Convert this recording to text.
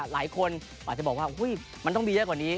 หลายคนอาจจะบอกว่ามันต้องมีเยอะกว่านี้